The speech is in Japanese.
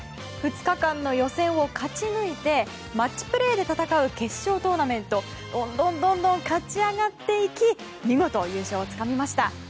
２日間の予選を勝ち抜いてマッチプレーで戦う決勝トーナメントをどんどん勝ち上がっていき見事、優勝をつかみ取りました。